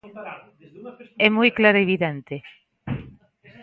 É moi clarividente.